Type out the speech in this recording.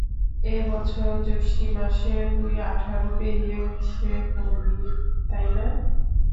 এ বছর জষ্টি মাসে তুই আঠারো পেরিয়ে উনিশে পড়লি, তাই না?